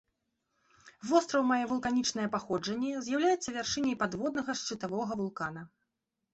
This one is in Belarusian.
Востраў мае вулканічнае паходжанне, з'яўляецца вяршыняй падводнага шчытавога вулкана.